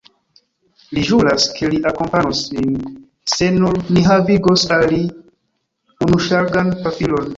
Li ĵuras, ke li akompanos nin, se nur ni havigos al li unuŝargan pafilon.